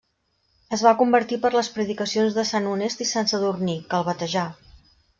Es va convertir per les predicacions de Sant Honest i Sant Sadurní, que el batejà.